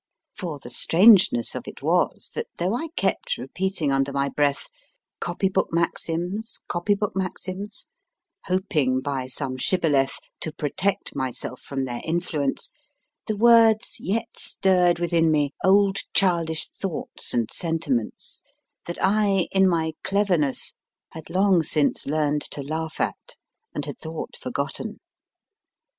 For the strangeness of it was that, though I kept repeating under my breath Copy book maxims, copy book maxims, hoping by such shibboleth to protect myself from their influence, the words yet stirred within me old childish thoughts and sentiments that I, in my cleverness, had long since learnt to laugh at, and had thought forgotten.